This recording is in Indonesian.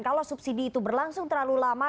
kalau subsidi itu berlangsung terlalu lama